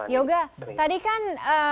yoga tadi kan